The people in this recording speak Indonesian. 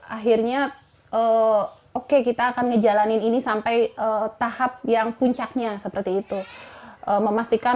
akhirnya oke kita akan ngejalanin ini sampai tahap yang puncaknya seperti itu memastikan